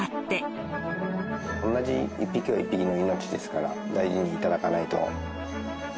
同じ一匹は一匹の命ですから大事に頂かないと。